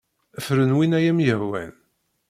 Fren win ay am-yehwan.